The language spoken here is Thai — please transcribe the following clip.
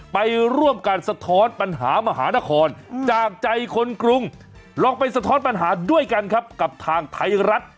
ไปร่วมกันสะท้อนปัญหามหานครจากใจคนกรุงลองไปสะท้อนปัญหาด้วยกันครับกับทางไทยรัฐ